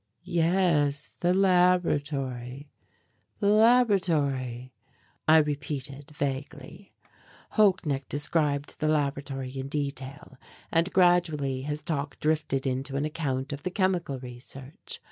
"Yes, the laboratory, the laboratory," I repeated vaguely. Holknecht described the laboratory in detail and gradually his talk drifted into an account of the chemical research.